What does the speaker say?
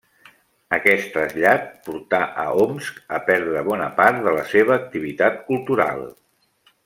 Aquest trasllat portà a Omsk a perdre bona part de la seva activitat cultural.